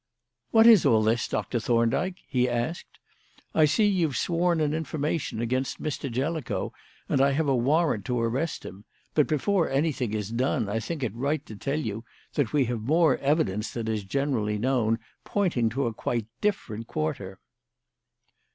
"What is all this, Doctor Thorndyke?" he asked. "I see you've sworn an information against Mr. Jellicoe, and I have a warrant to arrest him; but before anything is done I think it right to tell you that we have more evidence than is generally known pointing to quite a different quarter."